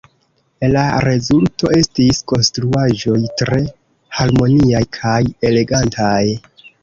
La rezulto estis konstruaĵoj tre harmoniaj kaj elegantaj.